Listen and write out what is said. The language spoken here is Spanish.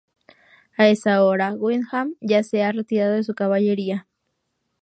A esa hora, Wyndham ya se ha retirado con su caballería.